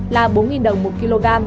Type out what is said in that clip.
là bốn đồng một kg